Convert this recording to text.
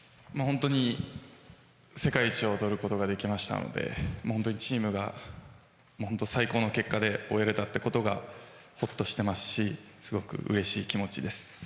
世界一をとることができましたのでチームが最高の結果で終えれたってことがほっとしていますしすごくうれしい気持ちです。